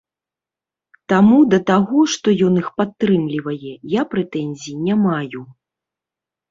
Таму да таго, што ён іх падтрымлівае, я прэтэнзій не маю.